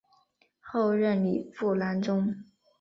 后任礼部郎中。